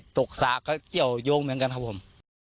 กสากก็เกี่ยวยงเหมือนกันครับผม